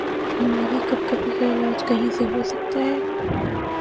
ہماری کپکپی کا علاج کہیں سے ہو سکتا ہے؟